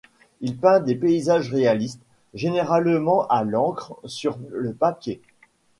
Il peint des paysages réalistes, généralement à l'encre sur le papier.